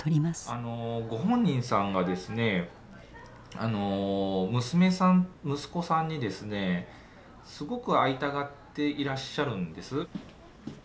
あのご本人さんがですね娘さん息子さんにですねすごく会いたがっていらっしゃるんです。